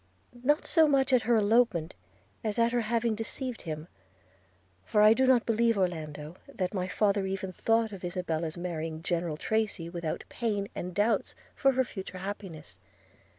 'Not so much at her elopement, as at her having deceived him; for I do not believe, Orlando, that my father ever thought of Isabella's marrying General Tracy without pain and doubts of her future happiness.